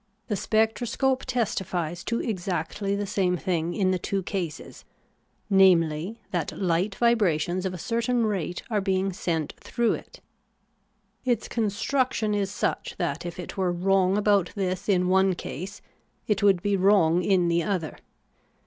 The spectroscope testifies to exactly the same thing in the two cases ; namely, that hght vibrations of a certain rate are being sent through it. Its construc tion is such that if it were wrong about this in one case, it would be wrong in the other.